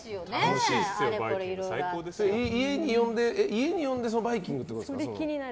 家に呼んでバイキングってことですか？